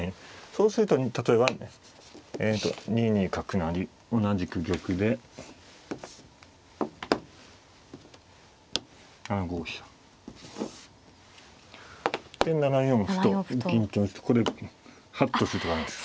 そうすると例えば２二角成同じく玉で７五飛車。で７四歩と打つとこれハッとする手があるんです。